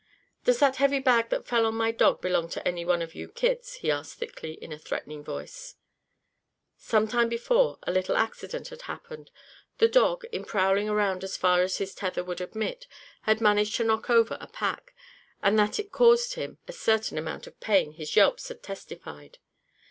"Does that heavy bag that fell on my dog belong to any one of you kids?" he asked thickly, in a threatening tone. Some time before a little accident had happened. The dog, in prowling around as far as his tether would admit, had managed to knock over a pack, and that it caused him a certain amount of pain his yelps had testified.